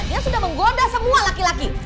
yang sudah menggoda semua laki laki